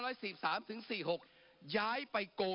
ปรับไปเท่าไหร่ทราบไหมครับ